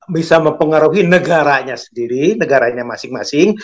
bisa mempengaruhi negaranya sendiri negaranya masing masing